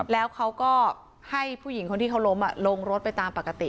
แล้วเขาก็ให้ผู้หญิงคนที่เขาล้มลงรถไปตามปกติ